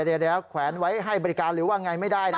เดี๋ยวแขวนไว้ให้บริการหรือว่าไงไม่ได้นะ